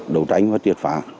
đấu tranh và trật phạt